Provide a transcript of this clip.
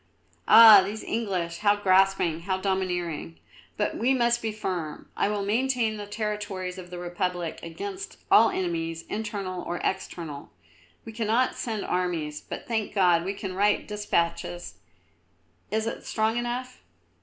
"Ah! these English, how grasping, how domineering! But we must be firm. I will maintain the territories of the Republic against all enemies, internal or external. We cannot send armies, but, thank God, we can write despatches. Is it strong enough?"